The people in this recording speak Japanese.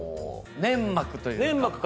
粘膜というか。